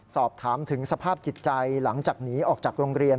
สอบถามถึงสภาพจิตใจหลังจากหนีออกจากโรงเรียน